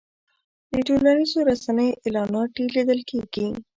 د ټولنیزو رسنیو اعلانات ډېر لیدل کېږي.